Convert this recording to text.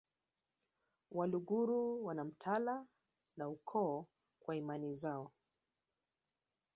Waluguru wana mtala na ukoo kwa imani zao